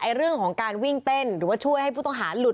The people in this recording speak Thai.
เรื่องของการวิ่งเต้นหรือว่าช่วยให้ผู้ต้องหาหลุด